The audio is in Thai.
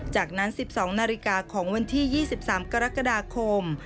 จากนั้น๑๒นาฬิกาของวันที่๒๓กรกฎาคม